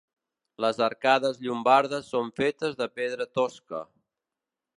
Les arcades llombardes són fetes de pedra tosca.